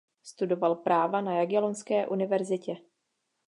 Studoval práva na Jagellonské univerzitě.